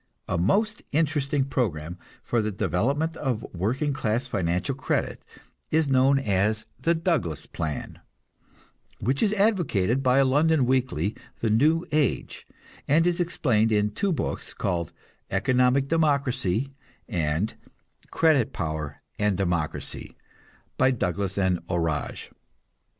A most interesting program for the development of working class financial credit is known as the "Douglas plan," which is advocated by a London weekly, the "New Age," and is explained in two books, called "Economic Democracy" and "Credit Power and Democracy," by Douglas and Orage.